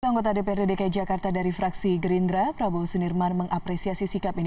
anggota dprd dki jakarta dari fraksi gerindra prabowo sunirman mengapresiasi sikap ini